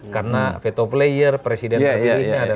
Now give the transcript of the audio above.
karena veto player presiden terpilihnya adalah pak prabowo